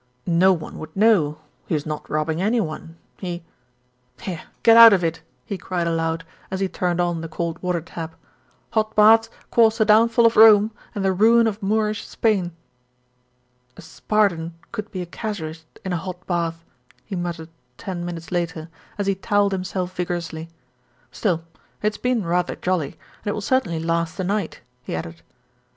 No one would know, he was not robbing any one. He "Here, get out of it!" he cried aloud, as he turned on the cold water tap. "Hot baths caused the down fall of Rome and the ruin of Moorish Spain." "A Spartan could be a casuist in a hot bath," he mut tered ten minutes later, as he towelled himself vigor ously. "Still, it's been rather jolly, and it will cer tainly last the night," he added.